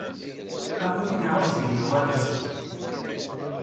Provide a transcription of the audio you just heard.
Am win iɛuẓẓgen yuɣal isell.